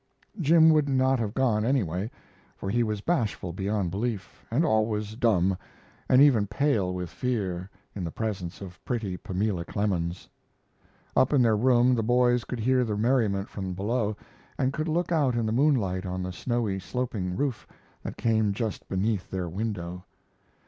Jim would not have gone, anyway, for he was bashful beyond belief, and always dumb, and even pale with fear, in the presence of pretty Pamela Clemens. Up in their room the boys could hear the merriment from below and could look out in the moonlight on the snowy sloping roof that began just beneath their window.